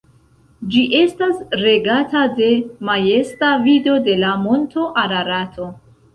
Ĝi estas regata de majesta vido de la monto Ararato.